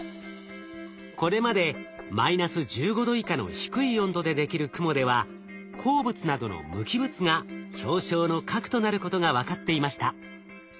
これまでマイナス１５℃以下の低い温度でできる雲では鉱物などの無機物が氷晶の核となることが分かっていました。